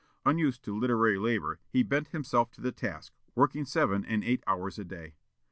Unused to literary labor, he bent himself to the task, working seven and eight hours a day.